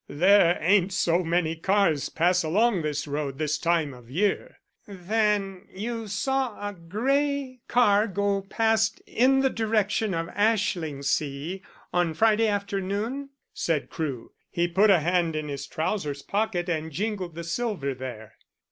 There ain't so many cars pass along this road this time of year." "Then you saw a grey car go past in the direction of Ashlingsea on Friday afternoon?" said Crewe. He put a hand in his trousers pocket and jingled the silver there.